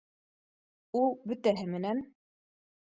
Ул бөтәһе менән